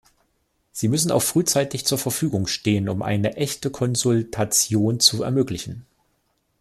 Sie müssen auch frühzeitig zur Verfügung stehen, um eine echte Konsultation zu ermöglichen.